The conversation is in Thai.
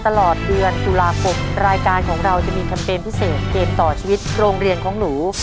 ตลอดเดือนตุลาคมรายการของเราจะมีแคมเปญพิเศษเกมต่อชีวิตโรงเรียนของหนู